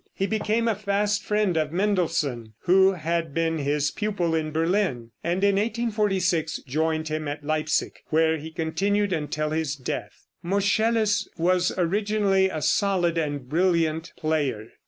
He became a fast friend of Mendelssohn, who had been his pupil in Berlin, and in 1846 joined him at Leipsic, where he continued until his death. Moscheles was originally a solid and brilliant player.